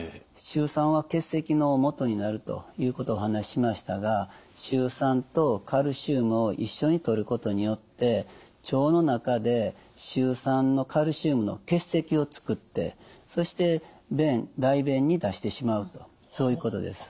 シュウ酸は結石のもとになるということをお話ししましたがシュウ酸とカルシウムを一緒にとることによって腸の中でシュウ酸のカルシウムの結石を作ってそして便大便に出してしまうとそういうことです。